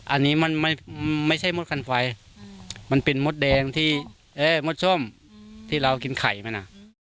อันนี้มันไม่ใช่มดคันไฟมันเป็นมดแดงที่มดส้มที่เรากินไข่มานะ